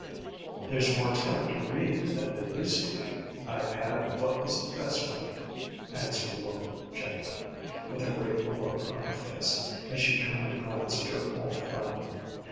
"There's more time to read than there used to be; I've had what was best for me," answered the woman gently, with a grateful look on her face, as she turned to glance at her old friend.